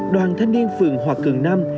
đoàn thanh niên phường hòa cường nam